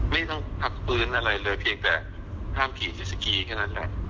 ไม่ต้องพักฟื้นอะไรเลยเพียงแต่ห้ามขี่เจสสกีแค่นั้นแหละ